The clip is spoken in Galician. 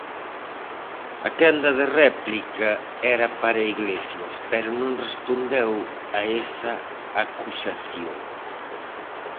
A quenda de réplica era para Iglesias pero non respondeu a esa acusación.